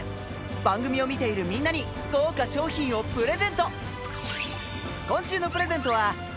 番組を見ているみんなに豪華賞品をプレゼント